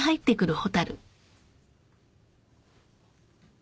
蛍！